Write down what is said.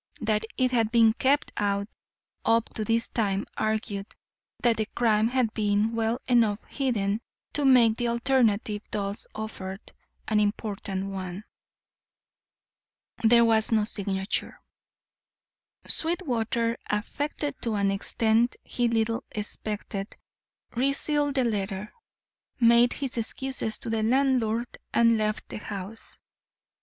That it had been kept out up to this time argued that the crime had been well enough hidden to make the alternative thus offered an important one. There was no signature. Sweetwater, affected to an extent he little expected, resealed the letter, made his excuses to the landlord, and left the house.